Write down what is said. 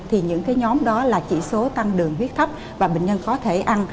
thì những cái nhóm đó là chỉ số tăng lượng viết thấp và bệnh nhân có thể ăn